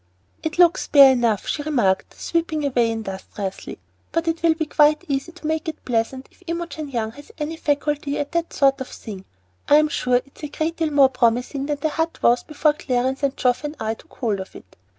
"It looks bare enough," she remarked, sweeping away industriously. "But it will be quite easy to make it pleasant if Imogen Young has any faculty at that sort of thing. I'm sure it's a great deal more promising than the Hut was before Clarence and Geoff and I took hold of it.